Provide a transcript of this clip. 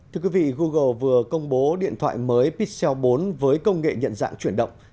thưa quý vị google vừa công bố điện thoại mới pixel bốn với công nghệ nhận dạng chuyển động